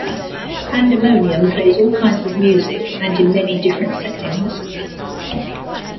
Pandemonium plays all kinds of music and in many different settings.